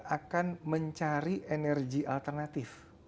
akan mencari energi alternatif